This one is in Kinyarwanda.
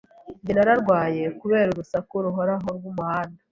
Njye nararwaye kubera urusaku ruhoraho rwumuhanda.